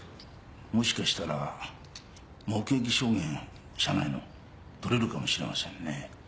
もしかしたら目撃証言車内の取れるかもしれませんね。